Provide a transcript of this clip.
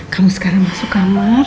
kamu sekarang masuk kamar